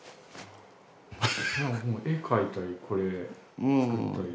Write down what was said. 絵描いたりこれ作ったり。